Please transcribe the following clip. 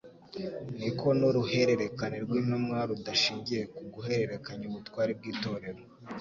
niko n'uruhererekane rw'intumwa rudashingiye ku guhererekanya ubutware bw'itorero,